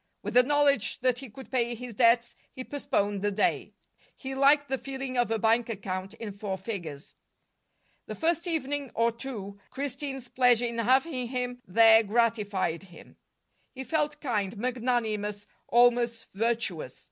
With the knowledge that he could pay his debts, he postponed the day. He liked the feeling of a bank account in four figures. The first evening or two Christine's pleasure in having him there gratified him. He felt kind, magnanimous, almost virtuous.